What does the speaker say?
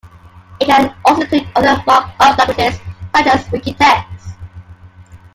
It can also include other markup languages, such as wikitext.